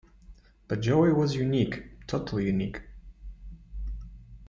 But Joey was unique, totally unique.